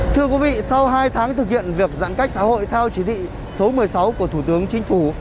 thưa quý vị sau hai tháng thực hiện việc giãn cách xã hội theo chỉ thị số một mươi sáu của thủ tướng chính phủ